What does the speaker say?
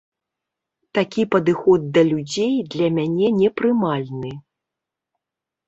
Такі падыход да людзей для мяне непрымальны.